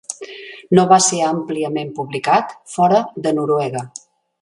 No va ser àmpliament publicat fora de Noruega.